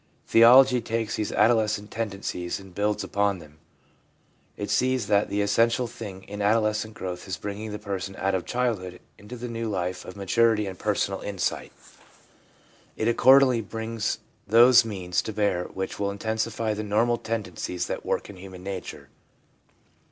Theology takes these adolescent tendencies and builds upon them; it sees that the essential thing in adolescent growth is bring ing the person out of childhood into the new life of maturity and personal insight. It accordingly brings those means to bear which will intensify the normal tendencies that work in human nature.